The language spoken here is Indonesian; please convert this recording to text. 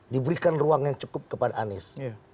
diberikan ruang yang cukup kepada anies